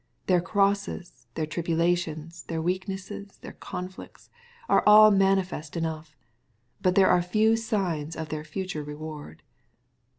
Their crosses, their tribula tions, their weaknesses^ their conflicts, are all manifest enough.. But there are few signs of their future reward.